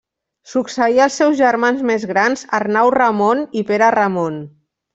Succeí els seus germans més grans Arnau Ramon i Pere Ramon.